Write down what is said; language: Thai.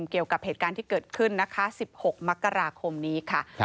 เกี่ยวกับเหตุการณ์ที่เกิดขึ้นนะคะ๑๖มกราคมนี้ค่ะ